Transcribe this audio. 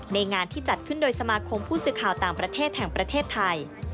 งานที่จัดขึ้นโดยสมาคมผู้สื่อข่าวต่างประเทศแห่งประเทศไทย